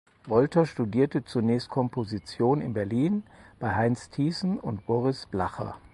Wolter studierte zunächst Komposition in Berlin bei Heinz Tiessen und Boris Blacher.